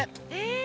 え！